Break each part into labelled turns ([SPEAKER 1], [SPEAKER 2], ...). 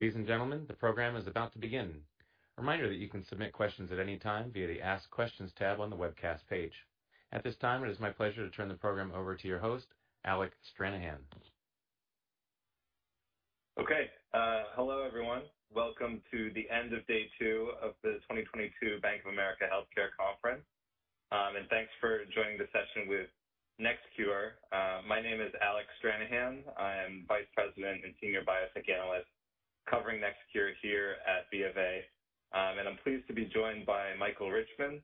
[SPEAKER 1] Ladies and gentlemen, the program is about to begin. Reminder that you can submit questions at any time via the Ask Questions tab on the webcast page. At this time, it is my pleasure to turn the program over to your host, Alec Stranahan.
[SPEAKER 2] Hello, everyone. Welcome to the end of day two of the 2022 Bank of America Healthcare Conference. Thanks for joining the session with NextCure. My name is Alec Stranahan. I am Vice President and Senior Biotech Analyst covering NextCure here at BofA. I'm pleased to be joined by Michael Richman,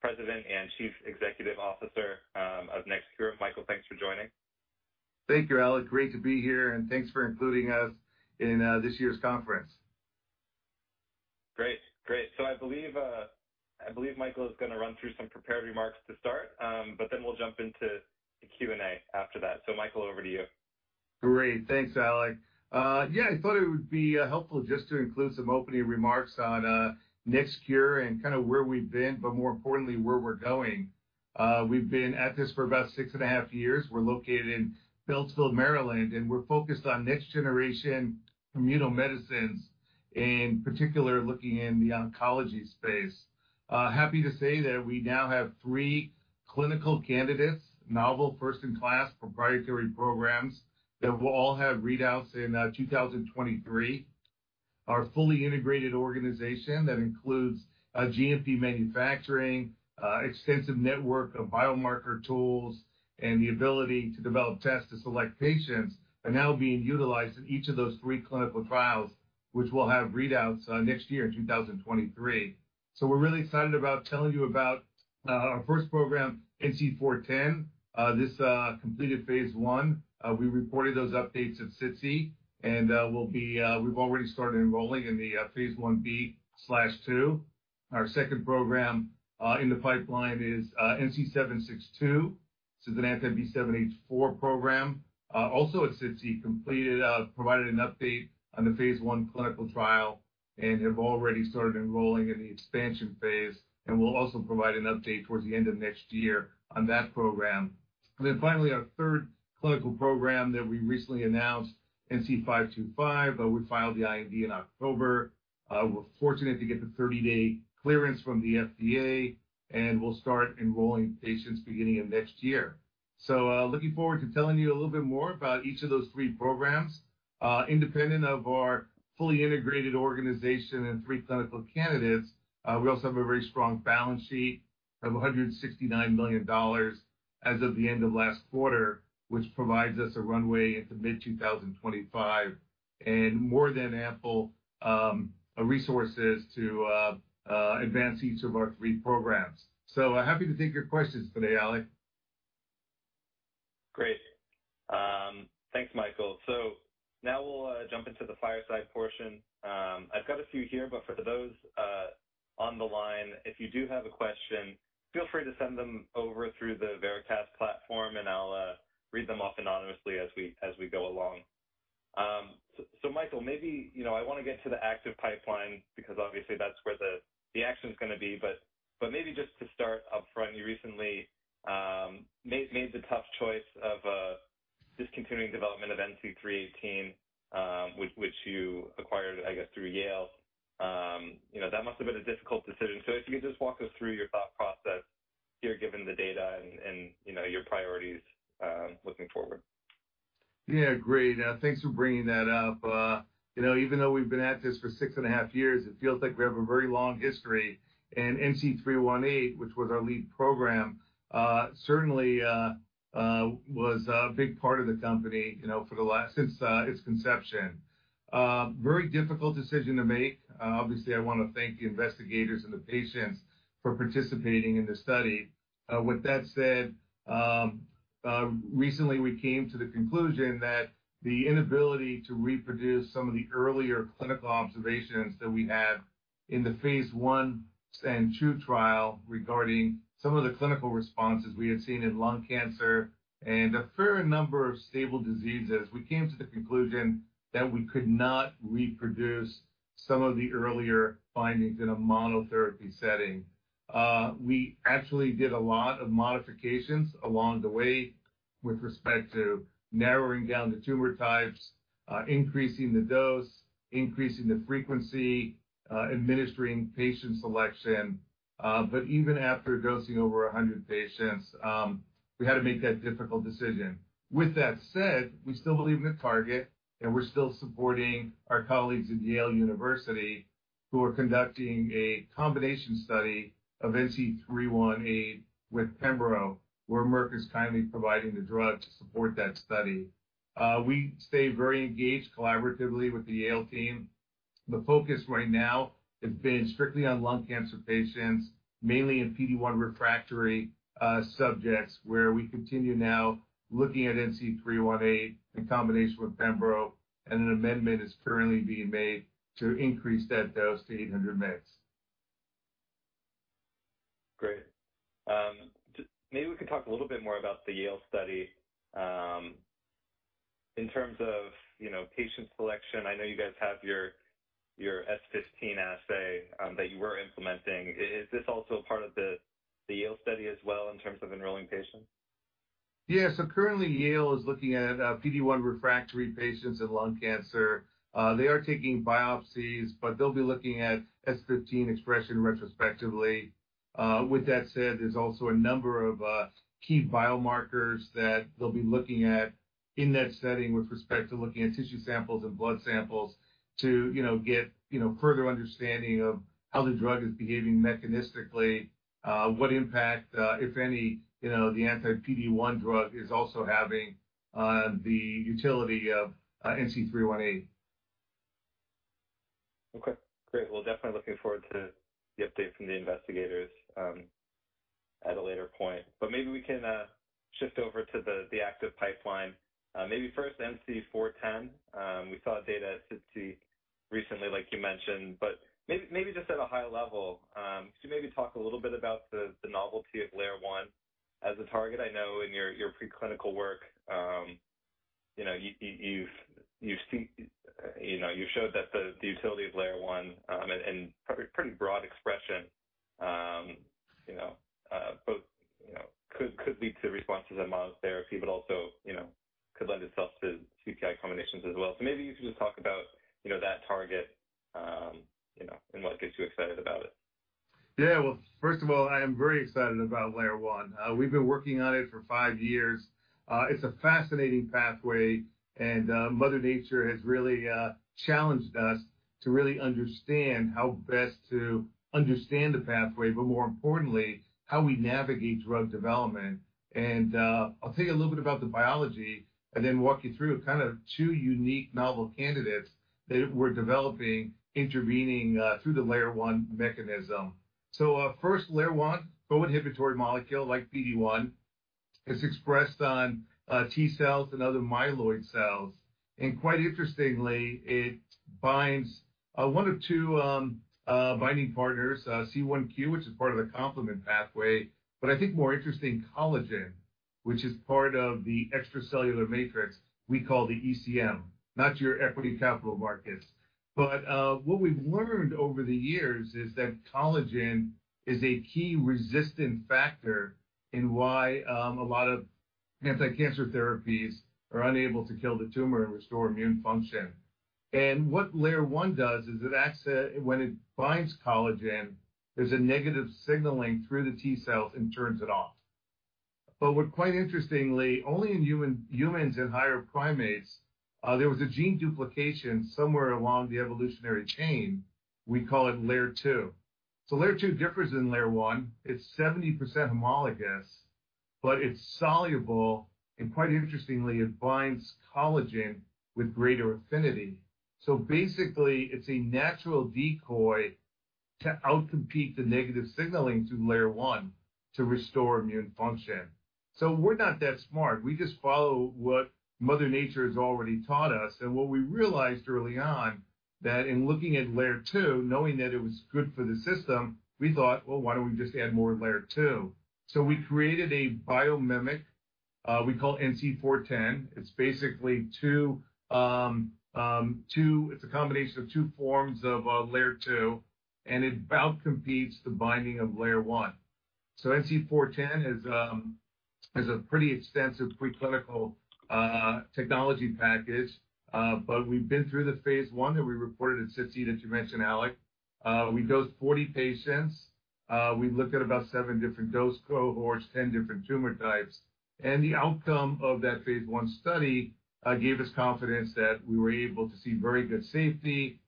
[SPEAKER 2] President and Chief Executive Officer of NextCure. Michael, thanks for joining.
[SPEAKER 3] Thank you, Alec. Great to be here. Thanks for including us in this year's conference.
[SPEAKER 2] Great. Great. I believe Michael is going to run through some prepared remarks to start, but then we will jump into the Q&A after that. Michael, over to you.
[SPEAKER 3] Great. Thanks, Alec. Yeah, I thought it would be helpful just to include some opening remarks on NextCure and kind of where we've been, but more importantly, where we're going. We've been at this for about six and a half years. We're located in Beltsville, Maryland, and we're focused on next-generation immunomedicines, in particular, looking in the oncology space. Happy to say that we now have three clinical candidates, novel first-in-class proprietary programs that will all have readouts in 2023. Our fully integrated organization that includes a GMP manufacturing, extensive network of biomarker tools, and the ability to develop tests to select patients are now being utilized in each of those three clinical trials, which will have readouts next year in 2023. We're really excited about telling you about our first program, NC410. This completed phase I. We reported those updates at SITC, and we'll be, we've already started enrolling in the phase Ib/II. Our second program in the pipeline is NC762. This is an anti-B7-H4 program. Also at SITC, completed, provided an update on the phase I clinical trial and have already started enrolling in the expansion phase and will also provide an update towards the end of next year on that program. Finally, our third clinical program that we recently announced, NC525, we filed the IND in October. We're fortunate to get the 30-day clearance from the FDA, and we'll start enrolling patients beginning of next year. Looking forward to telling you a little bit more about each of those three programs. Independent of our fully integrated organization and three clinical candidates, we also have a very strong balance sheet of $169 million as of the end of last quarter, which provides us a runway into mid-2025 and more than ample resources to advance each of our three programs. Happy to take your questions today, Alec.
[SPEAKER 2] Great. Thanks, Michael. Now we'll jump into the fireside portion. I've got a few here, but for those on the line, if you do have a question, feel free to send them over through the Vericast platform, and I'll read them off anonymously as we go along. Michael, maybe, you know, I wanna get to the active pipeline because obviously that's where the action's gonna be, but maybe just to start up front, you recently made the tough choice of discontinuing development of NC318, which you acquired, I guess, through Yale. You know, that must have been a difficult decision. If you could just walk us through your thought process here, given the data and, you know, your priorities looking forward.
[SPEAKER 3] Yeah, great. Thanks for bringing that up. You know, even though we've been at this for 6.5 years, it feels like we have a very long history. NC318, which was our lead program, certainly, was a big part of the company, you know, for the last, since, its conception. Very difficult decision to make. Obviously, I wanna thank the investigators and the patients for participating in this study. With that said, recently we came to the conclusion that the inability to reproduce some of the earlier clinical observations that we had in the phase I and II trial regarding some of the clinical responses we had seen in lung cancer and a fair number of stable diseases, we came to the conclusion that we could not reproduce some of the earlier findings in a monotherapy setting. We actually did a lot of modifications along the way with respect to narrowing down the tumor types, increasing the dose, increasing the frequency, administering patient selection. Even after dosing over 100 patients, we had to make that difficult decision. With that said, we still believe in the target, we're still supporting our colleagues at Yale University who are conducting a combination study of NC318 with Pembro, where Merck is kindly providing the drug to support that study. We stay very engaged collaboratively with the Yale team. The focus right now has been strictly on lung cancer patients, mainly in PD-1 refractory subjects where we continue now looking at NC318 in combination with Pembro, an amendment is currently being made to increase that dose to 800 mg.
[SPEAKER 2] Great. Maybe we could talk a little bit more about the Yale study, in terms of, you know, patient selection. I know you guys have your S15 assay, that you were implementing. Is this also a part of the Yale study as well in terms of enrolling patients?
[SPEAKER 3] Currently Yale is looking at PD-1 refractory patients in lung cancer. They are taking biopsies, but they'll be looking at S15 expression retrospectively. With that said, there's also a number of key biomarkers that they'll be looking at in that setting with respect to looking at tissue samples and blood samples to, you know, get, you know, further understanding of how the drug is behaving mechanistically. What impact, if any, you know, the anti-PD-1 drug is also having on the utility of NC318.
[SPEAKER 2] Okay, great. Well, definitely looking forward to the update from the investigators at a later point. Maybe we can shift over to the active pipeline. Maybe first NC410. We saw data at SITC recently, like you mentioned, but maybe just at a high level, could you maybe talk a little bit about the novelty of LAIR1 as a target? I know in your preclinical work, you know, you've showed that the utility of LAIR1, and pretty broad expression, you know, both, you know, could lead to responses in mono therapy, but also, you know, could lend itself to CTI combinations as well. Maybe you can just talk about, you know, that target, you know, and what gets you excited about it.
[SPEAKER 3] Well, first of all, I am very excited about LAIR1. We've been working on it for five years. It's a fascinating pathway and mother nature has really challenged us to really understand how best to understand the pathway, but more importantly, how we navigate drug development. I'll tell you a little bit about the biology and then walk you through kind of two unique novel candidates that we're developing, intervening through the LAIR1 mechanism. First LAIR1, co-inhibitory molecule like PD-1, is expressed on T cells and other myeloid cells. Quite interestingly, it binds one of two binding partners, C1q, which is part of the complement pathway. I think more interesting, collagen, which is part of the extracellular matrix we call the ECM, not your equity capital markets. What we've learned over the years is that collagen is a key resistant factor in why a lot of anti-cancer therapies are unable to kill the tumor and restore immune function. What LAIR1 does is when it binds collagen, there's a negative signaling through the T cells and turns it off. What quite interestingly, only in humans and higher primates, there was a gene duplication somewhere along the evolutionary chain. We call it LAIR2. LAIR2 differs in LAIR1. It's 70% homologous, but it's soluble, and quite interestingly, it binds collagen with greater affinity. Basically, it's a natural decoy to outcompete the negative signaling through LAIR1 to restore immune function. We're not that smart. We just follow what mother nature has already taught us. What we realized early on, that in looking at LAIR2, knowing that it was good for the system, we thought, Well, why don't we just add more LAIR2? We created a biomimic, we call NC410. It's basically a combination of two forms of LAIR2, and it outcompetes the binding of LAIR1. NC410 has a pretty extensive preclinical technology package. We've been through the phase I that we reported at SITC that you mentioned, Alec. We dosed 40 patients. We looked at about seven different dose cohorts, 10 different tumor types. The outcome of that phase I study gave us confidence that we were able to see very good safety,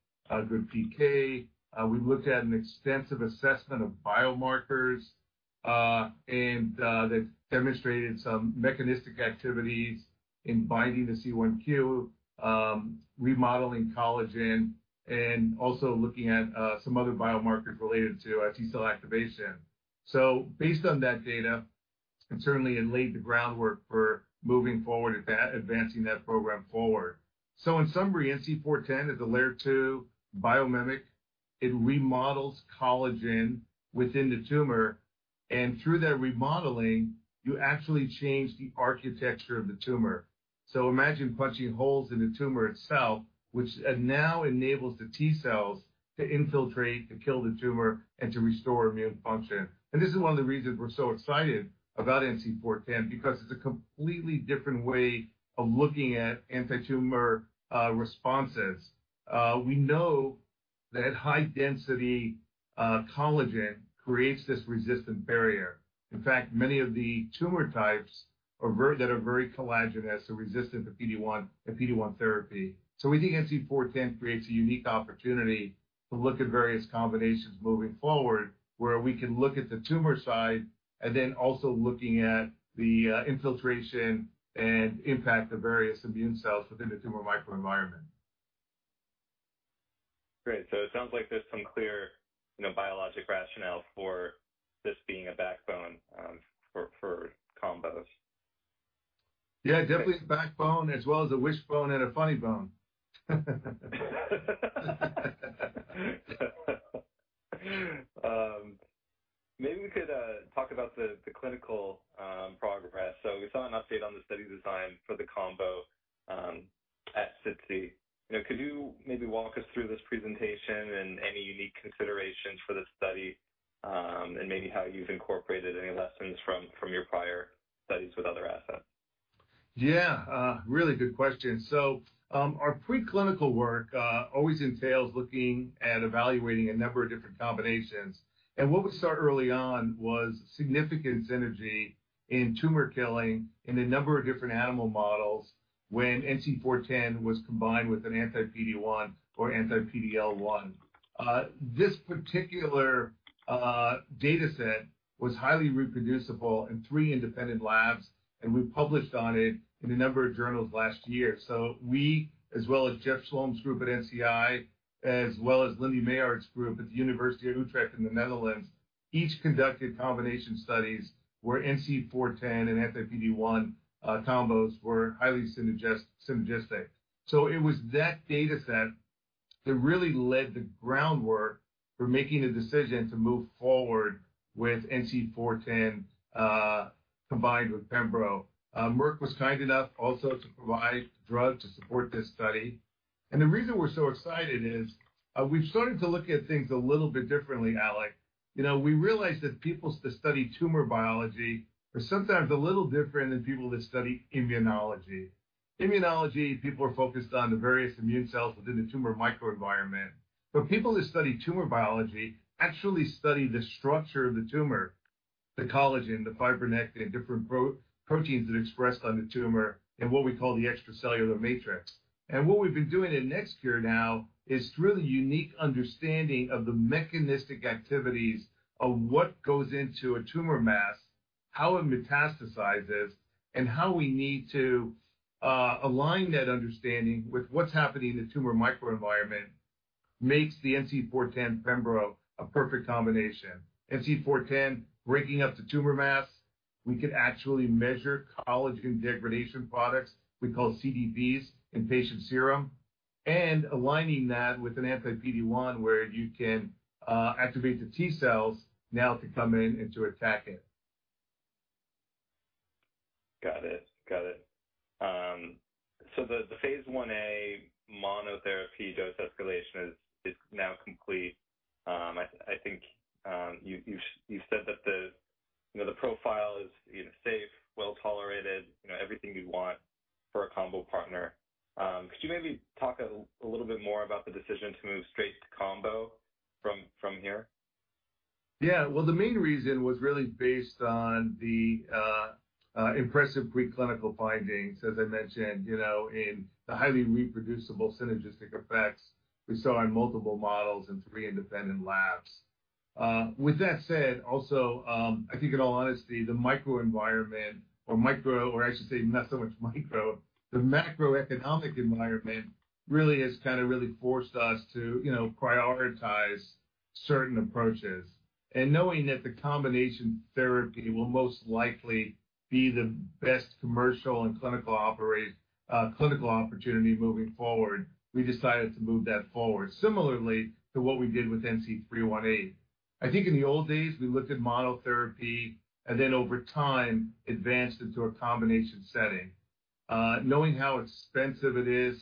[SPEAKER 3] good PK. We looked at an extensive assessment of biomarkers, that demonstrated some mechanistic activities in binding the C1q, remodeling collagen, and also looking at some other biomarkers related to our T-cell activation. Based on that data, and certainly it laid the groundwork for moving forward, advancing that program forward. In summary, NC410 is a LAIR2 biomimic. It remodels collagen within the tumor, and through that remodeling, you actually change the architecture of the tumor. Imagine punching holes in the tumor itself, which now enables the T-cells to infiltrate, to kill the tumor, and to restore immune function. This is one of the reasons we're so excited about NC410, because it's a completely different way of looking at antitumor responses. We know that high density collagen creates this resistant barrier. In fact, many of the tumor types that are very collagenous are resistant to PD-1 therapy. We think NC410 creates a unique opportunity to look at various combinations moving forward, where we can look at the tumor side and then also looking at the infiltration and impact of various immune cells within the tumor microenvironment.
[SPEAKER 2] Great. It sounds like there's some clear, you know, biologic rationale for this being a backbone for combos.
[SPEAKER 3] Yeah, definitely the backbone as well as a wishbone and a funny bone.
[SPEAKER 2] Maybe we could talk about the clinical progress. We saw an update on the study design for the combo at SITC. You know, could you maybe walk us through this presentation and any unique considerations for this study, and maybe how you've incorporated any lessons from your prior studies with other assets?
[SPEAKER 3] Really good question. Our preclinical work always entails looking at evaluating a number of different combinations. What we saw early on was significant synergy in tumor killing in a number of different animal models when NC410 was combined with an anti-PD-1 or anti-PD-L1. This particular data set was highly reproducible in three independent labs, and we published on it in a number of journals last year. We, as well as Jeff Schlom's group at NCI, as well as Linde Meyaard's group at the University of Utrecht in the Netherlands, each conducted combination studies where NC410 and anti-PD-1 combos were highly synergistic. It was that data set that really laid the groundwork for making the decision to move forward with NC410 combined with pembro. Merck was kind enough also to provide the drug to support this study. The reason we're so excited is, we've started to look at things a little bit differently, Alec. You know, we realized that people that study tumor biology are sometimes a little different than people that study immunology. Immunology people are focused on the various immune cells within the tumor microenvironment. People that study tumor biology actually study the structure of the tumor, the collagen, the fibronectin, different pro-proteins that expressed on the tumor in what we call the extracellular matrix. What we've been doing at NextCure now is through the unique understanding of the mechanistic activities of what goes into a tumor mass, how it metastasizes, and how we need to align that understanding with what's happening in the tumor microenvironment makes the NC410 pembro a perfect combination. NC410 breaking up the tumor mass, we could actually measure collagen degradation products we call CDPs in patient serum, and aligning that with an anti-PD-1, where you can activate the T cells now to come in and to attack it.
[SPEAKER 2] Got it. Got it. The phase IA monotherapy dose escalation is now complete. I think, you said that the, you know, the profile is, you know, safe, well-tolerated, you know, everything you'd want for a combo partner. Could you maybe talk a little bit more about the decision to move straight to combo from here?
[SPEAKER 3] Yeah. Well, the main reason was really based on the impressive preclinical findings, as I mentioned, you know, in the highly reproducible synergistic effects we saw on multiple models in three independent labs. With that said, also, I think in all honesty, the microenvironment or the macroeconomic environment really has kind of really forced us to, you know, prioritize certain approaches. Knowing that the combination therapy will most likely be the best commercial and clinical opportunity moving forward, we decided to move that forward, similarly to what we did with NC318. I think in the old days, we looked at monotherapy and then over time advanced into a combination setting. Knowing how expensive it is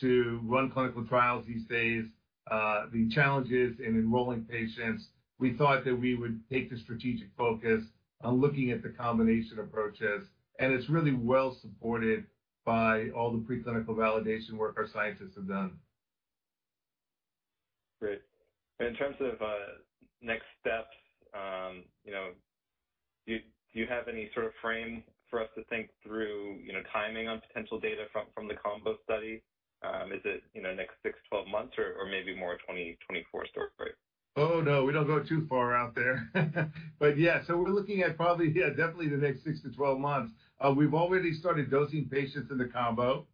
[SPEAKER 3] to run clinical trials these days, the challenges in enrolling patients, we thought that we would take the strategic focus on looking at the combination approaches, and it's really well supported by all the preclinical validation work our scientists have done.
[SPEAKER 2] Great. In terms of next steps, you know, do you have any sort of frame for us to think through, you know, timing on potential data from the combo study? Is it, you know, next six, 12 months or maybe more 2020, 2024 storefront?
[SPEAKER 3] No, we don't go too far out there. Yeah, we're looking at probably, yeah, definitely the next six to 12 months. We've already started dosing patients in the combo.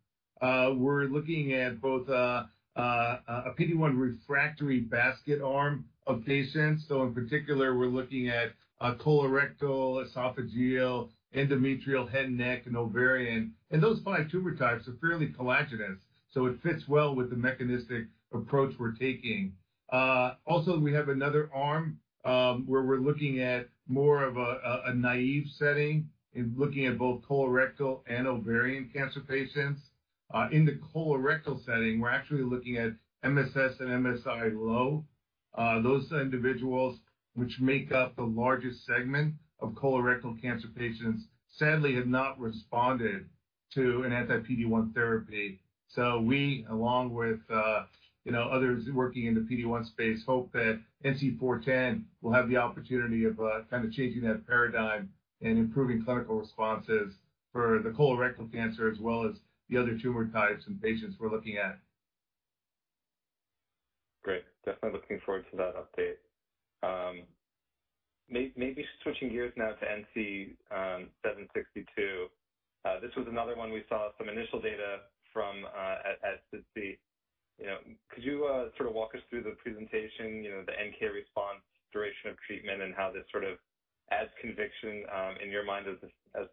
[SPEAKER 3] We're looking at both a PD-1 refractory basket arm of patients. In particular, we're looking at colorectal, esophageal, endometrial, head and neck, and ovarian. Those five tumor types are fairly collagenous, so it fits well with the mechanistic approach we're taking. Also, we have another arm where we're looking at more of a naive setting in looking at both colorectal and ovarian cancer patients. In the colorectal setting, we're actually looking at MSS and MSI-L. Those individuals which make up the largest segment of colorectal cancer patients sadly have not responded to an anti-PD-1 therapy. We, along with, you know, others working in the PD-1 space, hope that NC410 will have the opportunity of, kind of changing that paradigm and improving clinical responses for the colorectal cancer as well as the other tumor types in patients we're looking at.
[SPEAKER 2] Great. Definitely looking forward to that update. Maybe switching gears now to NC 762. This was another one we saw some initial data from at SITC. You know, could you sort of walk us through the presentation, you know, the NK response, duration of treatment, and how this sort of adds conviction in your mind as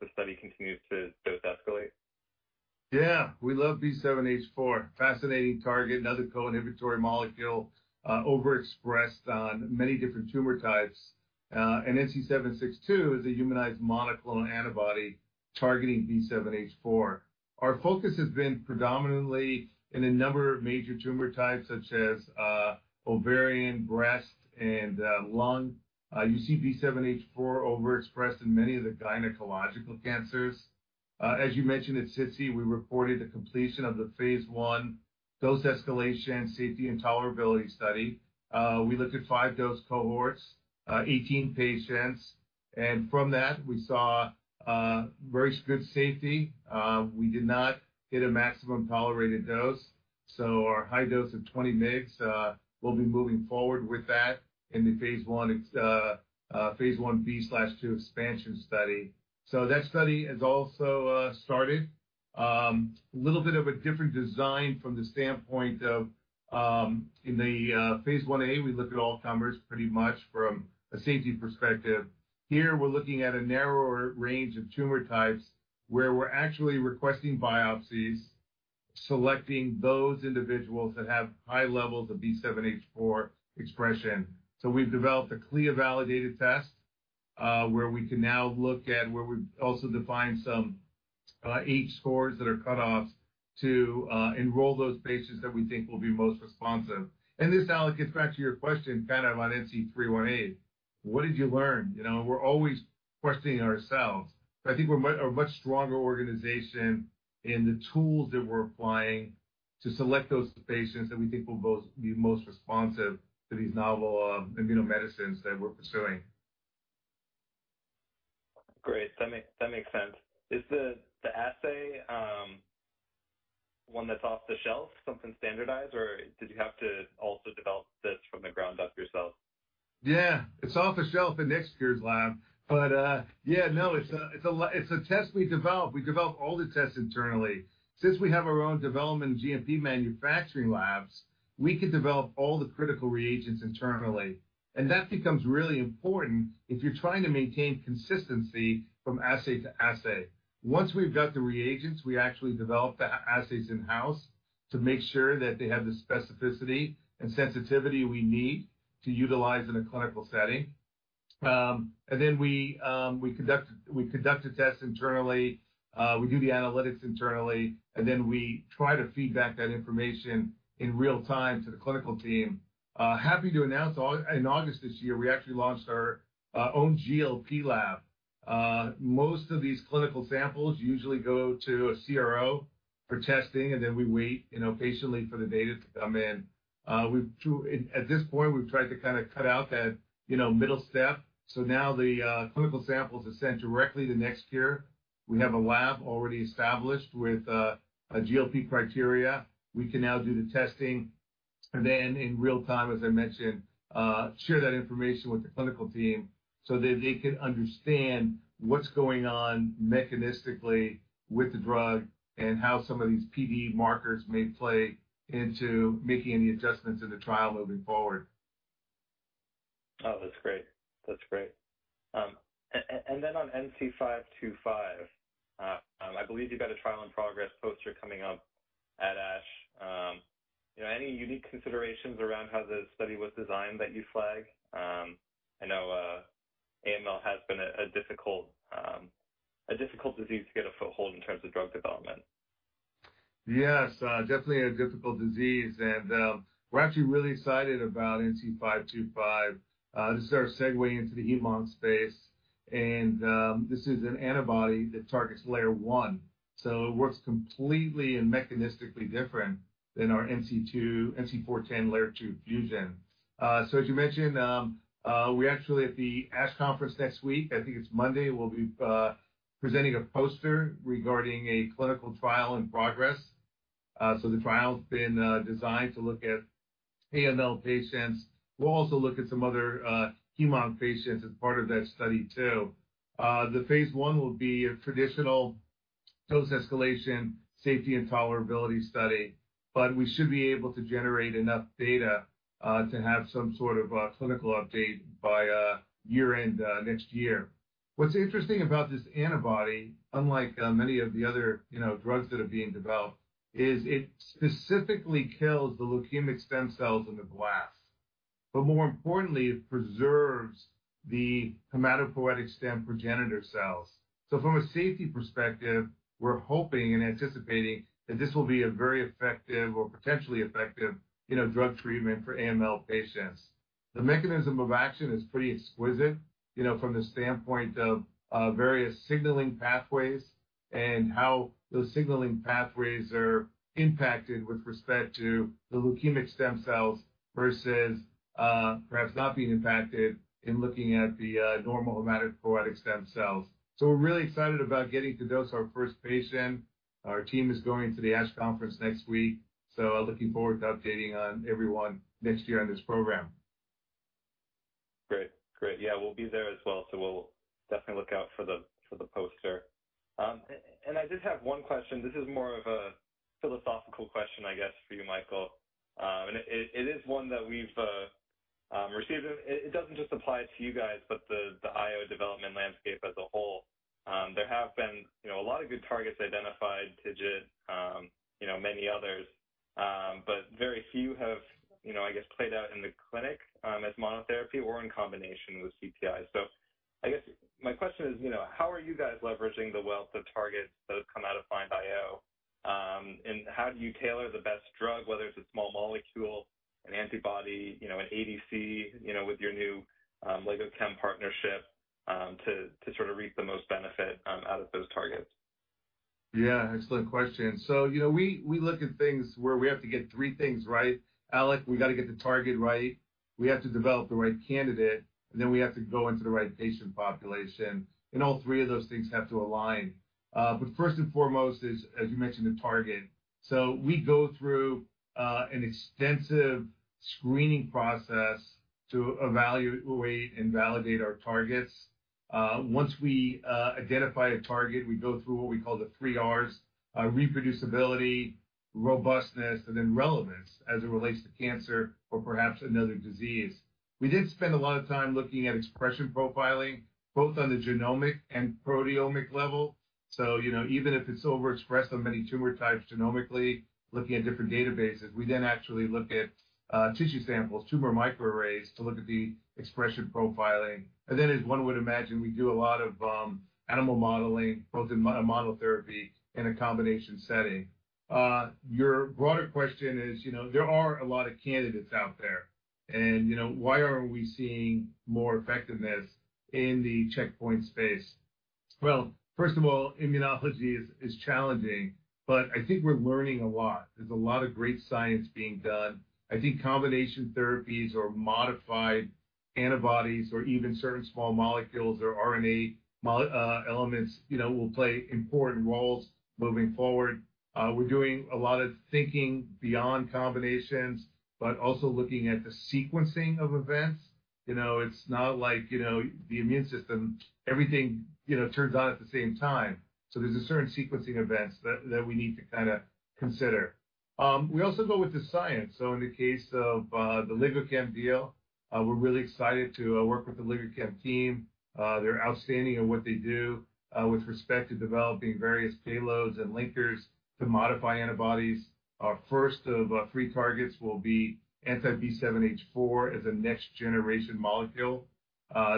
[SPEAKER 2] the study continues to dose escalate?
[SPEAKER 3] We love B7-H4. Fascinating target. Another co-inhibitory molecule, overexpressed on many different tumor types. NC762 is a humanized monoclonal antibody targeting B7H4. Our focus has been predominantly in a number of major tumor types such as ovarian, breast, and lung. You see B7H4 overexpressed in many of the gynecological cancers. As you mentioned at SITC, we reported the completion of the phase I dose escalation, safety, and tolerability study. We looked at five dose cohorts, 18 patients, and from that we saw very good safety. We did not hit a maximum tolerated dose, so our high dose of 20 mgs, we'll be moving forward with that in the phase IB/II expansion study. That study has also started. little bit of a different design from the standpoint of, in the phase IA, we looked at all comers pretty much from a safety perspective. Here we're looking at a narrower range of tumor types where we're actually requesting biopsies, selecting those individuals that have high levels of B7-H4 expression. We've developed a CLIA-validated test, where we can now look at where we've also defined some H-scores that are cutoffs to enroll those patients that we think will be most responsive. This, Alec, gets back to your question kind of on NC318. What did you learn? You know, we're always questioning ourselves, but I think we're a much stronger organization in the tools that we're applying to select those patients that we think will both be most responsive to these novel immunomedicines that we're pursuing.
[SPEAKER 2] Great. That makes sense. Is the assay, one that's off the shelf, something standardized, or did you have to also develop this from the ground up yourself?
[SPEAKER 3] It's off the shelf in NextCure's lab. It's a test we developed. We develop all the tests internally. Since we have our own development and GMP manufacturing labs, we can develop all the critical reagents internally. That becomes really important if you're trying to maintain consistency from assay to assay. Once we've got the reagents, we actually develop the assays in-house to make sure that they have the specificity and sensitivity we need to utilize in a clinical setting. We conduct the tests internally. We do the analytics internally. Then we try to feed back that information in real time to the clinical team. Happy to announce, in August this year, we actually launched our own GLP lab. Most of these clinical samples usually go to a CRO for testing. We wait, you know, patiently for the data to come in. At this point, we've tried to kinda cut out that, you know, middle step. Now the clinical samples are sent directly to NextCure. We have a lab already established with a GLP criteria. We can now do the testing. In real time, as I mentioned, share that information with the clinical team so that they can understand what's going on mechanistically with the drug and how some of these PD markers may play into making any adjustments in the trial moving forward.
[SPEAKER 2] Oh, that's great. That's great. On NC525, I believe you've got a trial in progress poster coming up at ASH. You know, any unique considerations around how the study was designed that you flag? I know, AML has been a difficult disease to get a foothold in terms of drug development.
[SPEAKER 3] Yes, definitely a difficult disease. We're actually really excited about NC525. This is our segue into the heme-onc space and this is an antibody that targets LAIR1. It works completely and mechanistically different than our NC410 LAIR2 fusion. As you mentioned, we actually at the ASH conference next week, I think it's Monday, we'll be presenting a poster regarding a clinical trial in progress. The trial's been designed to look at AML patients. We'll also look at some other heme-onc patients as part of that study too. The phase I will be a traditional dose escalation, safety, and tolerability study, but we should be able to generate enough data to have some sort of a clinical update by year-end next year. What's interesting about this antibody, unlike, you know, many of the other, you know, drugs that are being developed, is it specifically kills the leukemic stem cells in the glass. More importantly, it preserves the hematopoietic stem and progenitor cells. From a safety perspective, we're hoping and anticipating that this will be a very effective or potentially effective, you know, drug treatment for AML patients. The mechanism of action is pretty exquisite, you know, from the standpoint of various signaling pathways and how those signaling pathways are impacted with respect to the leukemic stem cells versus perhaps not being impacted in looking at the normal hematopoietic stem cells. We're really excited about getting to dose our first patient. Our team is going to the ASH conference next week, so looking forward to updating on everyone next year on this program.
[SPEAKER 2] Great. Yeah, we'll be there as well, so we'll definitely look out for the, for the poster. I just have one question. This is more of a philosophical question, I guess, for you, Michael. It, it is one that we've received. It, it doesn't just apply to you guys, but the--scape as a whole. There have been, you know, a lot of good targets identified, TIGIT, you know, many others, but very few have, you know, I guess, played out in the clinic, as monotherapy or in combination with CPI. I guess my question is, you know, how are you guys leveraging the wealth of targets that have come out of FIND-IO™? How do you tailor the best drug, whether it's a small molecule, an antibody, you know, an ADC, you know, with your new LegoChem Biosciences partnership, to sort of reap the most benefit out of those targets?
[SPEAKER 3] Yeah, excellent question. You know, we look at things where we have to get three things right, Alec. We gotta get the target right, we have to develop the right candidate, and then we have to go into the right patient population, and all three of those things have to align. First and foremost is, as you mentioned, the target. We go through an extensive screening process to evaluate and validate our targets. Once we identify a target, we go through what we call the three Rs, reproducibility, robustness, and then relevance as it relates to cancer or perhaps another disease. We did spend a lot of time looking at expression profiling, both on the genomic and proteomic level. You know, even if it's over expressed on many tumor types genomically, looking at different databases, we then actually look at tissue samples, tumor microarrays, to look at the expression profiling. As one would imagine, we do a lot of animal modeling, both in monotherapy in a combination setting. Your broader question is, you know, there are a lot of candidates out there and, you know, why aren't we seeing more effectiveness in the checkpoint space? First of all, immunology is challenging, but I think we're learning a lot. There's a lot of great science being done. I think combination therapies or modified antibodies or even certain small molecules or RNA elements, you know, will play important roles moving forward. We're doing a lot of thinking beyond combinations, but also looking at the sequencing of events. You know, it's not like, you know, the immune system, everything, you know, turns on at the same time. There's a certain sequencing events that we need to kinda consider. We also go with the science. In the case of the LegoChem Biosciences deal, we're really excited to work with the LegoChem Biosciences team. They're outstanding at what they do with respect to developing various payloads and linkers to modify antibodies. Our first of three targets will be anti-B7-H4 as a next-generation molecule.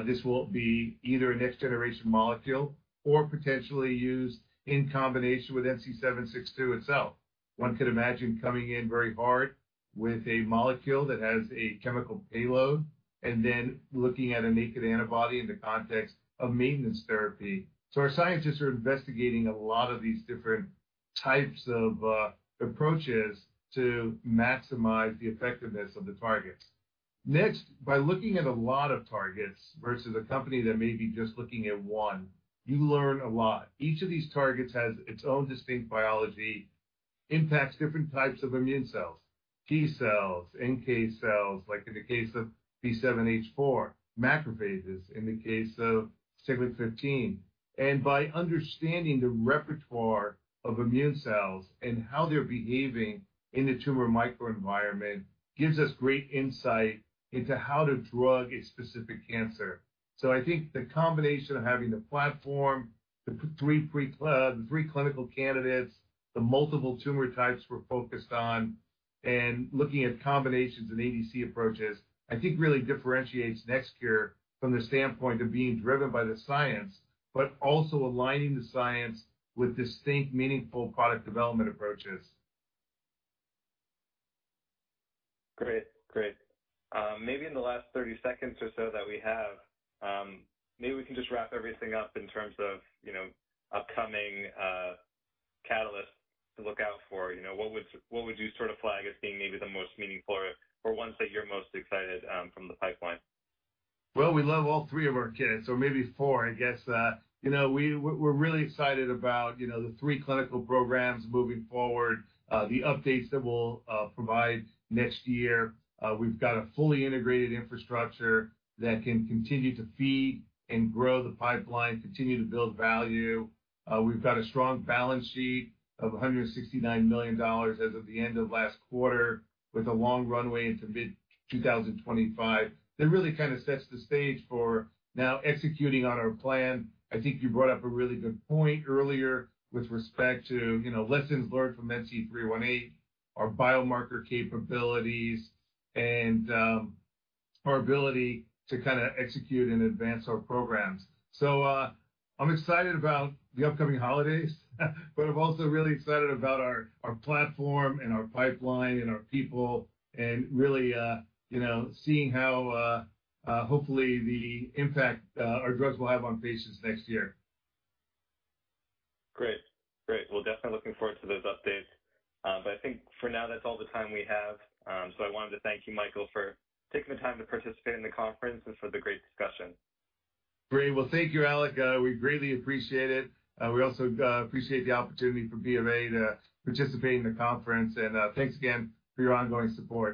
[SPEAKER 3] This will be either a next-generation molecule or potentially used in combination with NC762 itself. One could imagine coming in very hard with a molecule that has a chemical payload and then looking at a naked antibody in the context of maintenance therapy. Our scientists are investigating a lot of these different types of approaches to maximize the effectiveness of the targets. Next, by looking at a lot of targets versus a company that may be just looking at one, you learn a lot. Each of these targets has its own distinct biology, impacts different types of immune cells, T-cells, NK cells, like in the case of B7-H4, macrophages, in the case of Siglec-15. By understanding the repertoire of immune cells and how they're behaving in the tumor microenvironment gives us great insight into how to drug a specific cancer. I think the combination of having the platform, the three clinical candidates, the multiple tumor types we're focused on, and looking at combinations and ADC approaches, I think really differentiates NextCure from the standpoint of being driven by the science, but also aligning the science with distinct, meaningful product development approaches.
[SPEAKER 2] Great. Great. Maybe in the last 30 seconds or so that we have, maybe we can just wrap everything up in terms of, you know, upcoming catalysts to look out for. You know, what would you sort of flag as being maybe the most meaningful or ones that you're most excited from the pipeline?
[SPEAKER 3] Well, we love all three of our kids, or maybe four, I guess. you know, we're really excited about, you know, the three clinical programs moving forward, the updates that we'll provide next year. We've got a fully integrated infrastructure that can continue to feed and grow the pipeline, continue to build value. We've got a strong balance sheet of $169 million as of the end of last quarter with a long runway into mid-2025. That really kinda sets the stage for now executing on our plan. I think you brought up a really good point earlier with respect to, you know, lessons learned from NC318, our biomarker capabilities, and our ability to kinda execute and advance our programs. I'm excited about the upcoming holidays, but I'm also really excited about our platform and our pipeline and our people and really, you know, seeing how hopefully the impact our drugs will have on patients next year.
[SPEAKER 2] Great. Great. We'll definitely looking forward to those updates. I think for now, that's all the time we have. I wanted to thank you, Michael, for taking the time to participate in the conference and for the great discussion.
[SPEAKER 3] Great. Well, thank you, Alec. We greatly appreciate it. We also, appreciate the opportunity from Bank of America to participate in the conference. Thanks again for your ongoing support.